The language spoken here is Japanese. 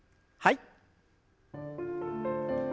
はい。